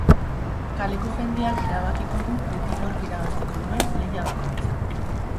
Kaleko jendeak erabakiko du beti nork irabaziko duen lehia bakoitza.